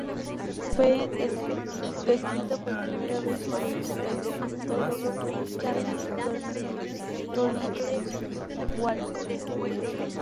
Fue descrito por primera vez por el paleontólogo Charles Doolittle Walcott.